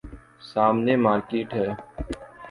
سامنے مارکیٹ ہے۔